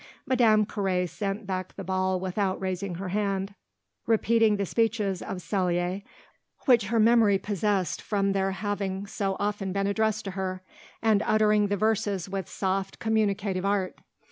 Madame Carré sent back the ball without raising her hand, repeating the speeches of Célie, which her memory possessed from their having so often been addressed to her, and uttering the verses with soft, communicative art.